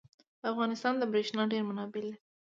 افغانستان د بریښنا ډیر منابع لري.